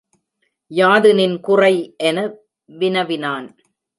யாது நின் குறை? என வினவினான்.